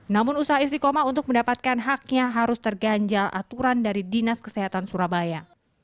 namun usaha istiqomah untuk mendapatkan haknya harus terganjal aturan dari dinas kesehatan surabaya